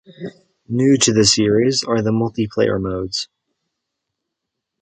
New to the series are the multi-player modes.